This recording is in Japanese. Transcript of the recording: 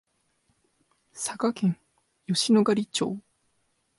佐賀県吉野ヶ里町